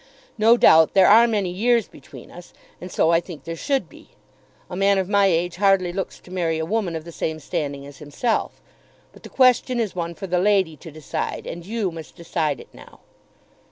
No doubt there are many years between us; and so I think there should be. A man of my age hardly looks to marry a woman of the same standing as himself. But the question is one for the lady to decide, and you must decide it now.